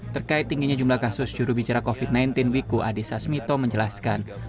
terkait tingginya jumlah kasus jurubicara covid sembilan belas wiku adhisa smito menjelaskan